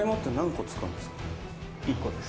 「１個です」